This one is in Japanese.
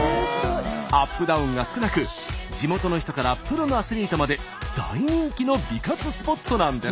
アップダウンが少なく地元の人からプロのアスリートまで大人気の美活スポットなんです。